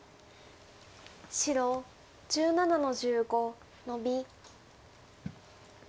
白１７の十五ノビ。